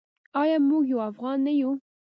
آیا موږ یو افغان نه یو؟